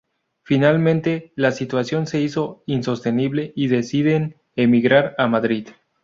Finalmente la situación se hizo insostenible y deciden emigrar a Madrid.